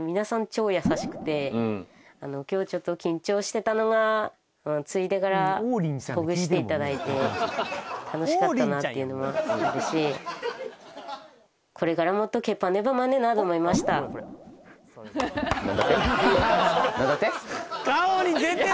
超優しくてうん今日ちょっと緊張してたのが着いてからほぐしていただいて楽しかったなっていうのもあるしこれからもっとけっぱねばまねなと思いました何だって？